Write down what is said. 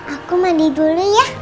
aku mandi dulu ya